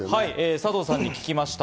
佐藤さんに聞きました。